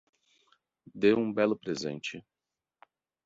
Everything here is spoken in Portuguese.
Dê um belo presente